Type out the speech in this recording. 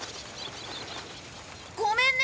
ごめんね。